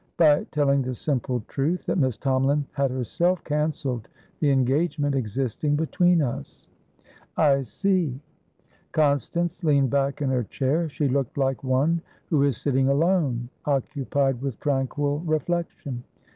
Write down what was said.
"By telling the simple truth, that Miss Tomalin had herself cancelled the engagement existing between us." "I see." Constance leaned back in her chair. She looked like one who is sitting alone, occupied with tranquil reflection.